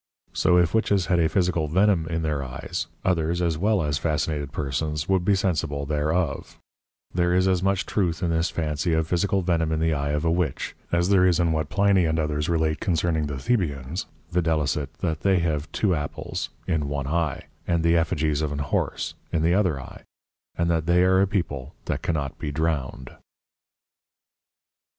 So if Witches had a physical Venom in their Eyes, others as well as Fascinated Persons would be sensible thereof; there is as much Truth in this fancy of Physical Venom in the Eye of a Witch, as there is in what Pliny and others relate concerning the Thibians, viz. that they have two Apples in one Eye, and the Effigies of an Horse in the other Eye; and that they are a people that cannot be drowned.